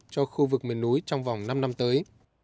cho khu vực miền núi trong vòng năm năm tới